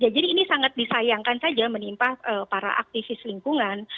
jadi ini sangat disayangkan saja menimpa para aktivis lingkungan